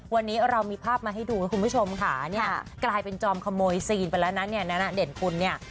วันนี้เรามีภาพมาให้ดูนะคุณผู้ชมค่ะเนี่ยกลายเป็นจอมขโมยซีนไปแล้วนะเนี่ยนะเด่นคุณเนี่ย